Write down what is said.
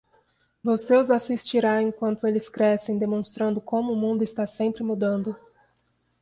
Você os assistirá enquanto eles crescem demonstrando como o mundo está sempre mudando.